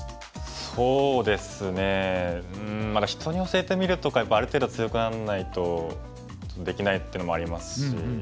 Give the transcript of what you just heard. そうですね「人に教えてみる」とかやっぱりある程度強くなんないとできないっていうのもありますし。